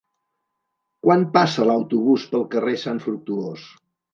Quan passa l'autobús pel carrer Sant Fructuós?